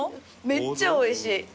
めっちゃおいしい。